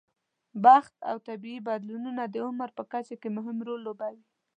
بخت او طبیعي بدلونونه د عمر په کچه کې مهم رول لوبوي.